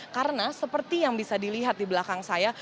karena seperti yang bisa dilihat di belakang saya